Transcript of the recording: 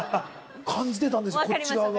感じてたんですこっち側が。